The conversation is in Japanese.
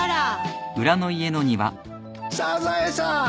サザエさん！